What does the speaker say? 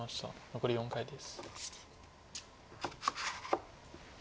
残り４回です。